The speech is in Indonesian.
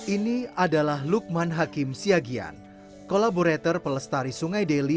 ini adalah lukman hakim sya crises collaborator pelestari sungai delhi